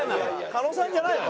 狩野さんじゃないの？